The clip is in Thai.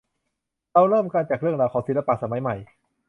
เราเริ่มกันจากเรื่องราวของศิลปะสมัยใหม่